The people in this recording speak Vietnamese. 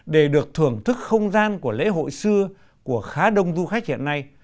và một thưởng thức không gian của lễ hội xưa của khá đông du khách hiện nay